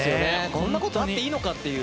こんなことあっていいのかという。